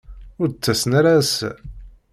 Ur d-ttasen ara ass-a.